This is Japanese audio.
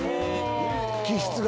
気質が？